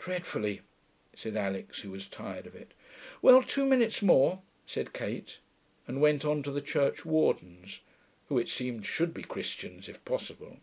'Dreadfully,' said Alix, who was tired of it. 'Well, two minutes more,' said Kate, and went on to the Churchwardens, who, it seemed, should be Christians, if possible.